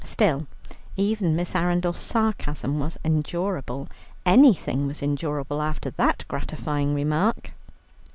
Still, even Miss Arundel's sarcasm was endurable, anything was endurable, after that gratifying remark.